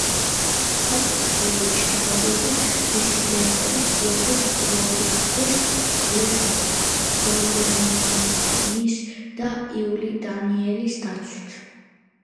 საბჭოთა პერიოდში გამოდიოდა დისიდენტების, იოსებ ბროდსკის, ალექსანდრე სოლჟენიცინის და იული დანიელის დაცვით.